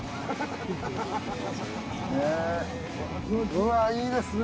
うわいいですね。